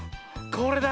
これだ。